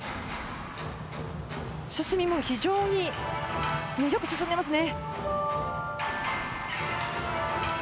進みも非常によく進んでいますね。